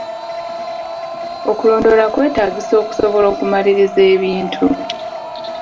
Okulondoola kwetaagisa okusobola okumaliriza ebintu.